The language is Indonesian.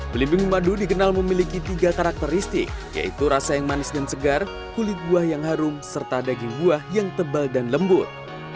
belimbing madu dikenal memiliki tiga karakteristik yaitu rasa yang manis dan segar kulit buah yang harum serta daging buah yang tebal dan lembut